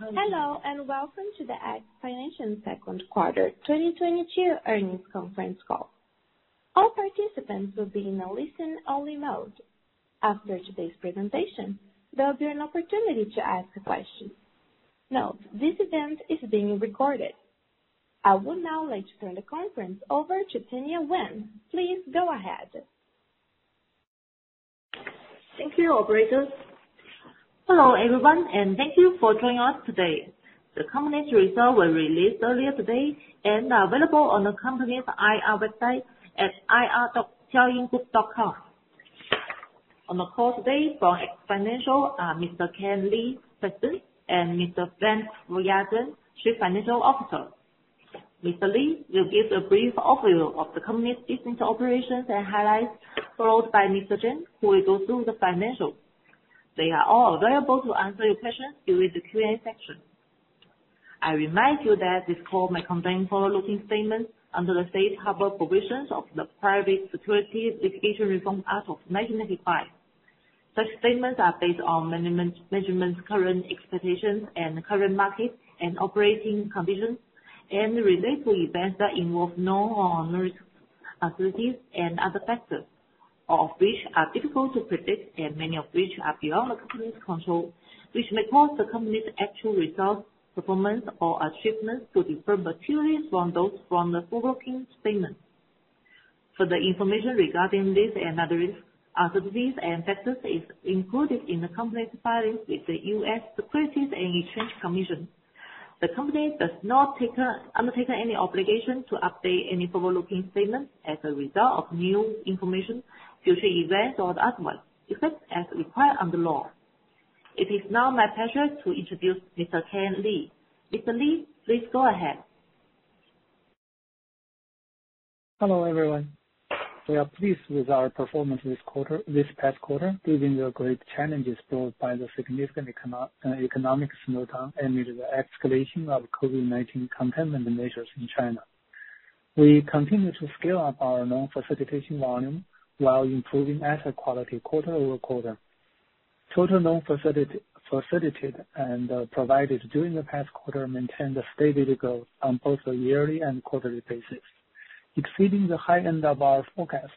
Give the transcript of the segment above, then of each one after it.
Hello, and welcome to the X Financial second quarter 2022 earnings conference call. All participants will be in a listen-only mode. After today's presentation, there'll be an opportunity to ask a question. Note, this event is being recorded. I would now like to turn the conference over to Tanya Wen. Please go ahead. Thank you, operator. Hello, everyone, and thank you for joining us today. The company's results were released earlier today and are available on the company's IR website at ir.xiaoyinggroup.com. On the call today for X Financial are Mr. Kan Li, President, and Mr. Frank Fuya Zheng, Chief Financial Officer. Mr. Kan Li will give a brief overview of the company's business operations and highlights, followed by Mr. Zheng, who will go through the financials. They are all available to answer your questions during the Q&A session. I remind you that this call may contain forward-looking statements under the Safe Harbor provisions of the Private Securities Litigation Reform Act of 1995. Such statements are based on management's current expectations and current market and operating conditions and relate to events that involve known or unknown risks, uncertainties and other factors, all of which are difficult to predict and many of which are beyond the company's control, which may cause the company's actual results, performance or achievements to differ materially from those from the forward-looking statements. For the information regarding this and other risks, uncertainties and factors is included in the company's filings with the US Securities and Exchange Commission. The company does not undertake any obligation to update any forward-looking statements as a result of new information, future events or otherwise, except as required under law. It is now my pleasure to introduce Mr. Kan Li. Mr. Kan Li, please go ahead. Hello, everyone. We are pleased with our performance this past quarter, given the great challenges posed by the significant economic slowdown and with the escalation of COVID-19 containment measures in China. We continue to scale up our loan facilitation volume while improving asset quality quarter-over-quarter. Total loans facilitated and provided during the past quarter maintained a steady growth on both a yearly and quarterly basis, exceeding the high end of our forecast.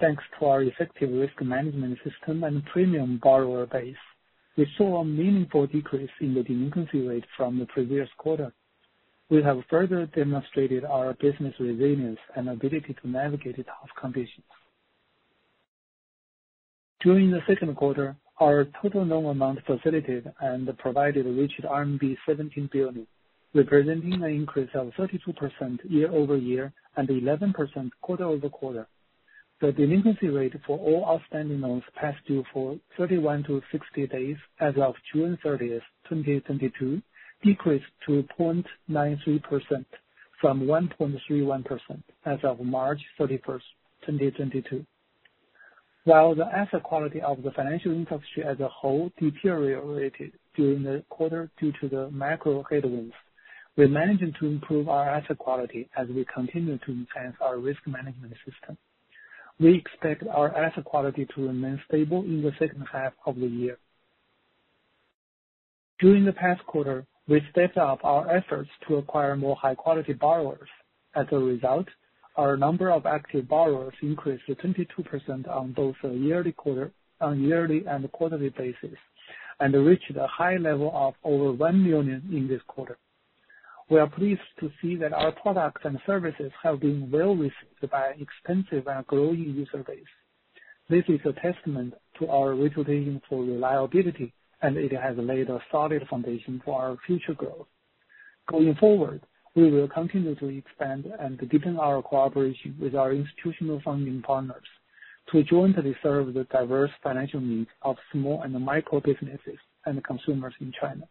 Thanks to our effective risk management system and premium borrower base, we saw a meaningful decrease in the delinquency rate from the previous quarter. We have further demonstrated our business resilience and ability to navigate tough conditions. During the second quarter, our total loan amount facilitated and provided reached RMB 17 billion, representing an increase of 32% year-over-year and 11% quarter-over-quarter. The delinquency rate for all outstanding loans past due for 31-60 days as of June 30th, 2022, decreased to 0.93% from 1.31% as of March 31st, 2022. While the asset quality of the financial industry as a whole deteriorated during the quarter due to the macro headwinds, we managed to improve our asset quality as we continue to enhance our risk management system. We expect our asset quality to remain stable in the second half of the year. During the past quarter, we stepped up our efforts to acquire more high-quality borrowers. As a result, our number of active borrowers increased to 22% on both a yearly and a quarterly basis, and reached a high level of over 1 million in this quarter. We are pleased to see that our products and services have been well received by an extensive and a growing user base. This is a testament to our reputation for reliability, and it has laid a solid foundation for our future growth. Going forward, we will continue to expand and deepen our cooperation with our institutional funding partners to jointly serve the diverse financial needs of small and micro businesses and consumers in China.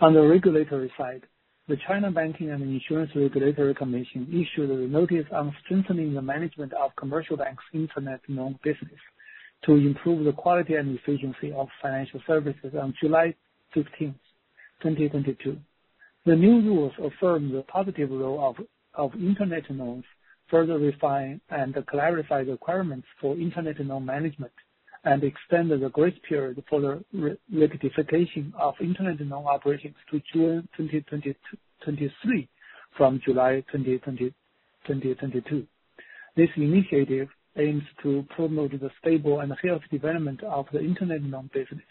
On the regulatory side, the China Banking and Insurance Regulatory Commission issued a notice on strengthening the management of commercial banks internet loan business to improve the quality and efficiency of financial services on July 15th, 2022. The new rules affirm the positive role of internet loans, further refine and clarify the requirements for internet loan management and extend the grace period for re-rectification of internet loan operations to June 2023 from July 2022. This initiative aims to promote the stable and fair development of the internet loan business,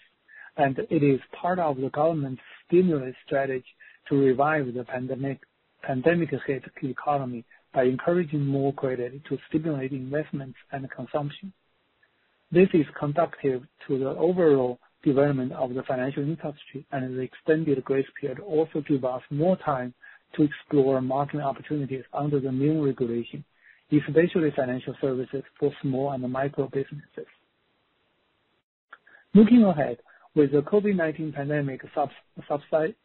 and it is part of the government's stimulus strategy to revive the pandemic-hit economy by encouraging more credit to stimulate investment and consumption. This is conducive to the overall development of the financial industry, and the extended grace period also gives us more time to explore market opportunities under the new regulation, especially financial services for small and micro businesses. Looking ahead, with the COVID-19 pandemic subsiding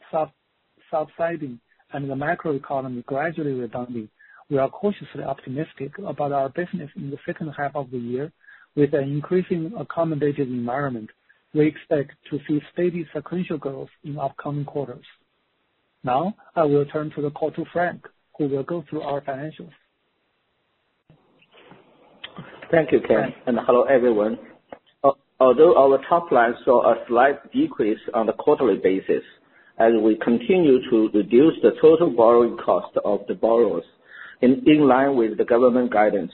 and the macro economy gradually rebounding, we are cautiously optimistic about our business in the second half of the year. With an increasingly accommodative environment, we expect to see steady sequential growth in upcoming quarters. Now, I will turn the call over to Frank, who will go through our financials. Thank you, Kan, and hello everyone. Although our top line saw a slight decrease on the quarterly basis, as we continue to reduce the total borrowing cost of the borrowers in line with the government guidance,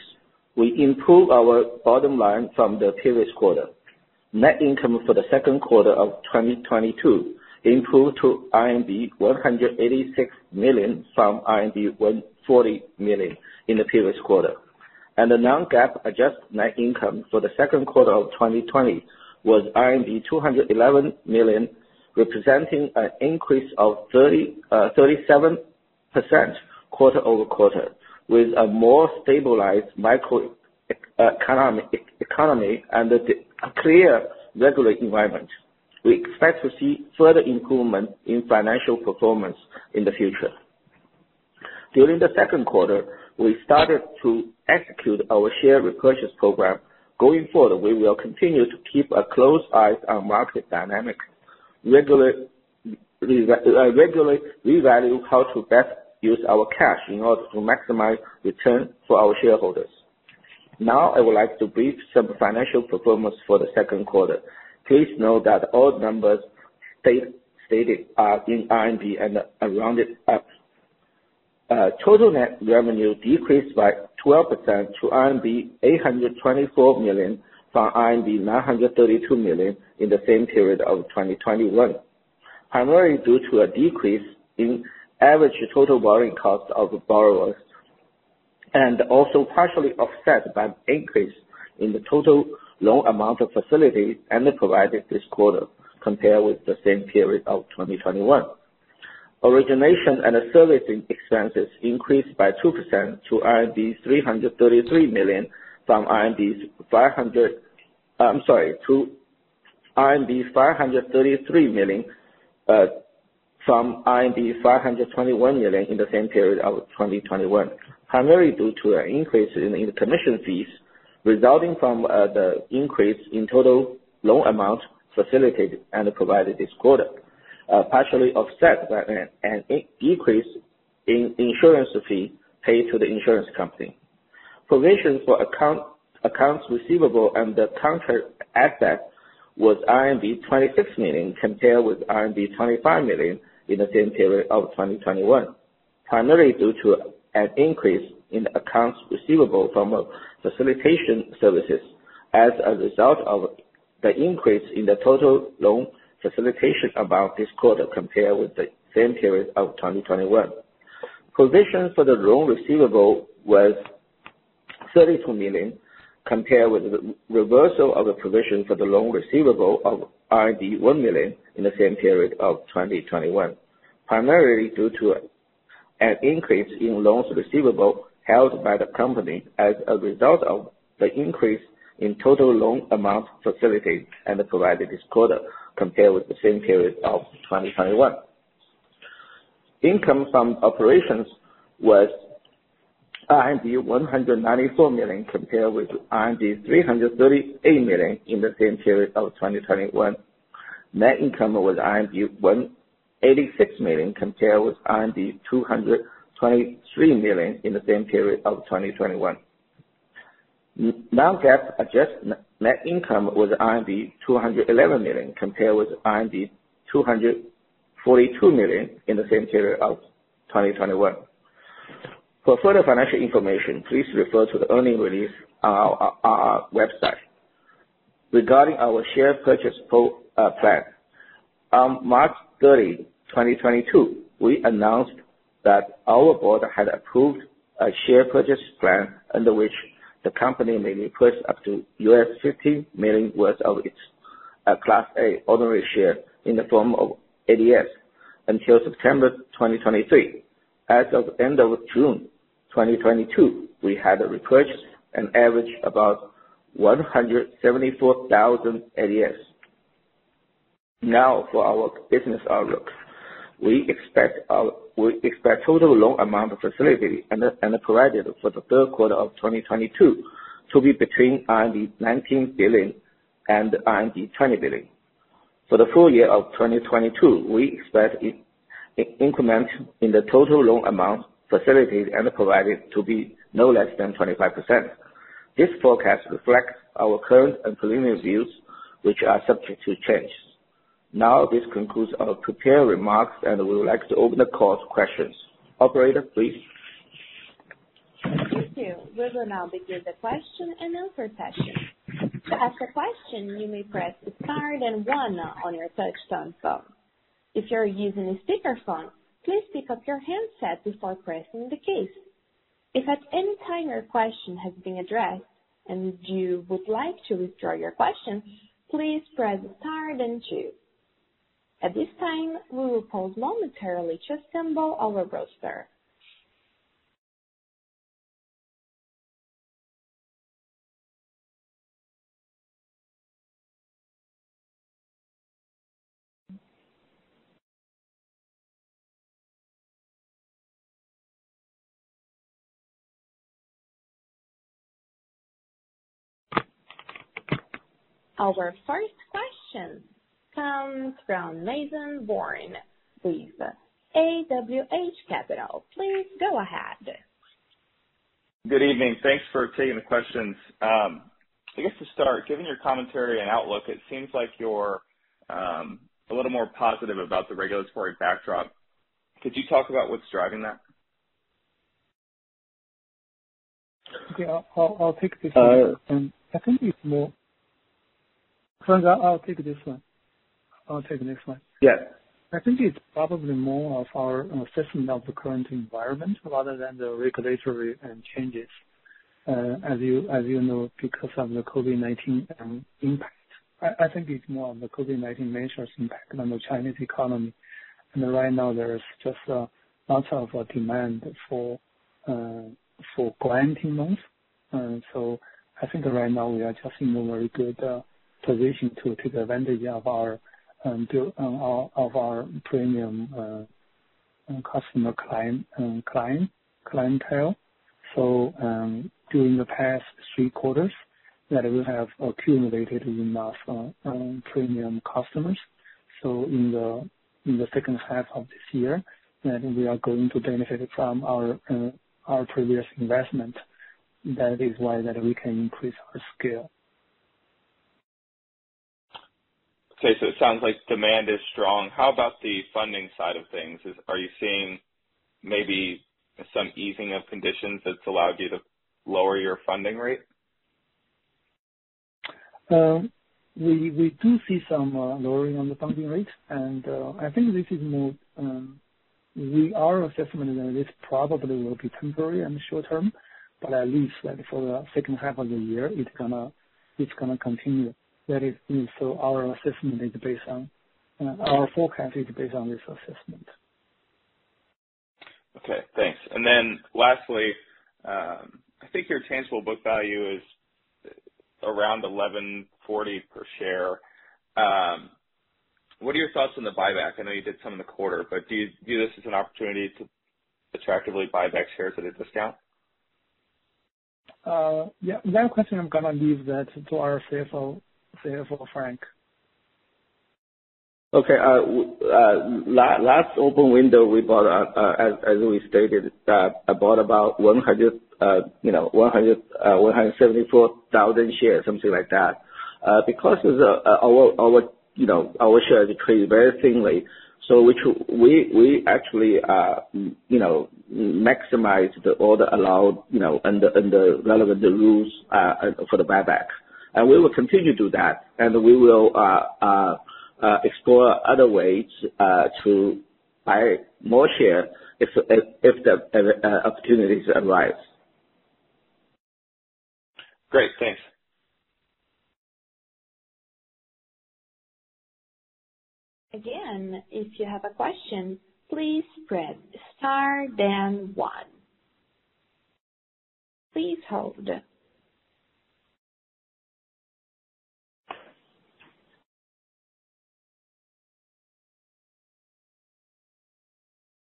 we improved our bottom line from the previous quarter. Net income for the second quarter of 2022 improved to RMB 186 million from RMB 140 million in the previous quarter. The non-GAAP adjusted net income for the second quarter of 2022 was RMB 211 million, representing an increase of 37% quarter-over-quarter, with a more stabilized macro economy and a clear regulatory environment. We expect to see further improvement in financial performance in the future. During the second quarter, we started to execute our share repurchase program. Going forward, we will continue to keep a close eye on market dynamics. Regularly reevaluate how to best use our cash in order to maximize return for our shareholders. Now I would like to brief on some financial performance for the second quarter. Please note that all numbers stated are in RMB and are rounded up. Total net revenue decreased by 12% to RMB 824 million from RMB 932 million in the same period of 2021. Primarily due to a decrease in average total borrowing cost of borrowers, and also partially offset by increase in the total loan amount facilitated and provided this quarter compared with the same period of 2021. Origination and servicing expenses increased by 2% to RMB 533 million from RMB 521 million in the same period of 2021. Primarily due to an increase in the commission fees resulting from the increase in total loan amount facilitated and provided this quarter. Partially offset by an increase in insurance fee paid to the insurance company. Provisions for accounts receivable and the contract assets was RMB 26 million, compared with RMB 25 million in the same period of 2021. Primarily due to an increase in accounts receivable from facilitation services as a result of the increase in the total loan facilitation amount this quarter compared with the same period of 2021. Provisions for the loan receivable was 32 million, compared with the reversal of the provision for the loan receivable of 1 million in the same period of 2021. Primarily due to an increase in loans receivable held by the company as a result of the increase in total loan amount facilitated and provided this quarter, compared with the same period of 2021. Income from operations was 194 million, compared with 338 million in the same period of 2021. Net income was 186 million, compared with 223 million in the same period of 2021. Non-GAAP adjusted net income was 211 million, compared with 242 million in the same period of 2021. For further financial information, please refer to the earnings release on our website. Regarding our share repurchase program. On March 30, 2022, we announced that our board had approved a share repurchase plan under which the company may repurchase up to $50 million worth of its Class A ordinary share in the form of ADS until September 2023. As of end of June 2022, we had repurchased about 174,000 ADS. Now for our business outlook. We expect total loan amount facilitated and provided for the third quarter of 2022 to be between RMB 19 billion and RMB 20 billion. For the full year of 2022, we expect an increment in the total loan amount facilitated and provided to be no less than 25%. This forecast reflects our current and preliminary views, which are subject to change. Now, this concludes our prepared remarks, and I would like to open the call to questions. Operator, please. Thank you. We will now begin the question and answer session. To ask a question, you may press star then one on your touch-tone phone. If you are using a speakerphone, please pick up your handset before pressing the keys. If at any time your question has been addressed and you would like to withdraw your question, please press star then two. At this time, we will pause momentarily to assemble our roster. Our first question comes from Mason Bourne with AWH Capital. Please go ahead. Good evening. Thanks for taking the questions. I guess to start, given your commentary and outlook, it seems like you're a little more positive about the regulatory backdrop. Could you talk about what's driving that? Okay. I'll take this one. Uh- I think it's more Frank, I'll take this one. I'll take the next one. Yes. I think it's probably more of our assessment of the current environment rather than the regulatory changes. As you know, because of the COVID-19 impact. I think it's more of the COVID-19 measures impact on the Chinese economy. Right now there is just a lot of demand for granting loans. I think right now we are just in a very good position to take advantage of our premium customer clientele. During the past three quarters that we have accumulated enough premium customers. In the second half of this year, I think we are going to benefit from our previous investment. That is why we can increase our scale. Okay. It sounds like demand is strong. How about the funding side of things? Are you seeing maybe some easing of conditions that's allowed you to lower your funding rate? We do see some lowering on the funding rate. I think this is more our assessment and this probably will be temporary in the short term, but at least like for the second half of the year, it's gonna continue. Our forecast is based on this assessment. Okay. Thanks. Lastly, I think your tangible book value is around 11.40 per share. What are your thoughts on the buyback? I know you did some in the quarter, but do you view this as an opportunity to attractively buy back shares at a discount? Yeah. That question I'm gonna leave that to our CFO, Frank. Okay. Last open window we bought, as we stated, I bought about 174,000 shares, something like that. Because our shares trade very thinly, so we actually maximize the order allowed, you know, and the relevant rules for the buyback. We will continue to do that. We will explore other ways to buy more share if the opportunities arise. Great. Thanks. Again, if you have a question, please press star then one. Please hold.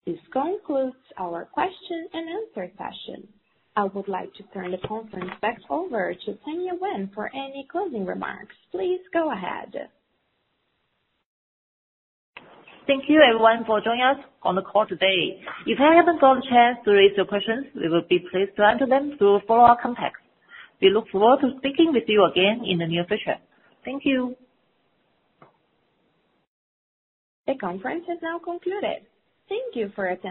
This concludes our question and answer session. I would like to turn the conference back over to Tanya Wen for any closing remarks. Please go ahead. Thank you everyone for joining us on the call today. If you haven't got a chance to raise your questions, we will be pleased to answer them through follow-up contacts. We look forward to speaking with you again in the near future. Thank you. The conference is now concluded. Thank you for your attendance.